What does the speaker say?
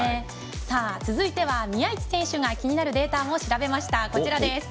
続いては宮市選手も気になるデータを調べました。